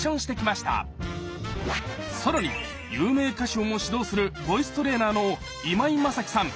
更に有名歌手をも指導するボイストレーナーの今井マサキさん